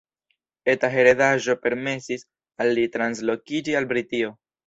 Eta heredaĵo permesis al li translokiĝi al Britio.